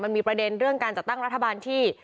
มันมีประเด็นเรื่องการจัดตั้งรัฐบาลที่